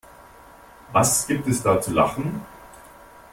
Was gibt es da zu lachen?